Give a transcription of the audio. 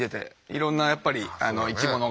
いろんなやっぱり生き物が。